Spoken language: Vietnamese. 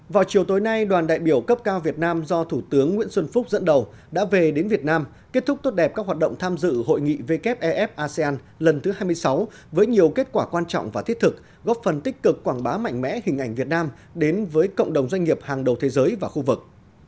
vào chiều tối nay đoàn đại biểu cấp cao việt nam do thủ tướng nguyễn xuân phúc dẫn đầu đã về đến việt nam kết thúc tốt đẹp các hoạt động tham dự hội nghị wef asean lần thứ hai mươi sáu với nhiều kết quả quan trọng và thiết thực góp phần tích cực quảng bá mạnh mẽ hình ảnh việt nam đến với cộng đồng doanh nghiệp hàng đầu thế giới và khu vực